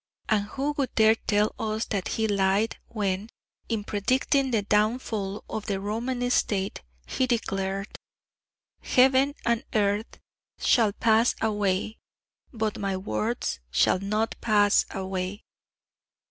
And who would dare tell us that he lied when, in predicting the downfall of the Roman State, he declared: "Heaven and earth shall pass away: but my words shall not pass away."